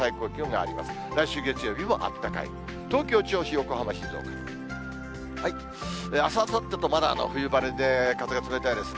あす、あさってとまだ冬晴れで、風が冷たいですね。